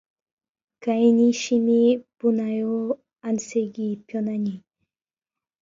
가인이 심히 분하여 안색이 변하니